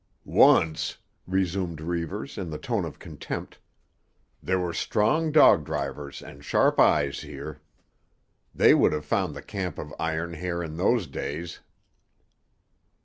"Once," resumed Reivers in the tone of contempt, "there were strong dog drivers and sharp eyes here. They would have found the camp of Iron Hair in those days."